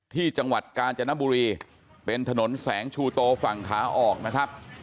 ที่จังหวัดกาญจนบุรีเป็นถนนแสงชูโตฝั่งขาออกนะครับ